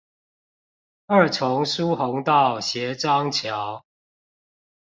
二重疏洪道斜張橋